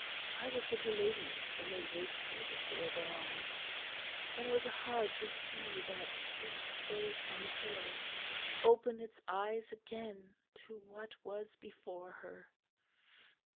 I was with her ladies when they waked her before dawn; and it was hard to see that sweet face on the pillow open its eyes again to what was before her.